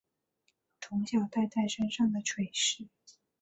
从小带在身上的垂饰